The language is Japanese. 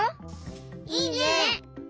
いいね！